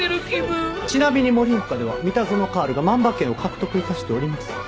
ちなみに盛岡ではミタゾノカールが万馬券を獲得致しております。